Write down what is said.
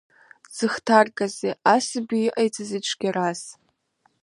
Дзыхҭаркаазеи асаби, иҟаиҵазеи цәгьарас?